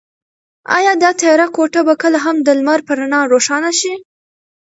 ایا دا تیاره کوټه به کله هم د لمر په رڼا روښانه شي؟